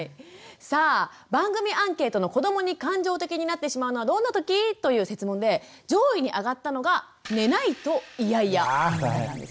さあ番組アンケートの「子どもに感情的になってしまうのはどんなとき？」という設問で上位に上がったのが「寝ない」と「イヤイヤ」だったんですね。